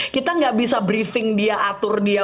kita gak bisa briefing dia atur dia